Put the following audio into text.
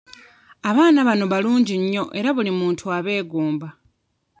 Abaana bano balungi nnyo era buli muntu abeegomba.